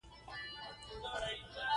مالیه ورکونکي د خپلو پیسو حساب غواړي.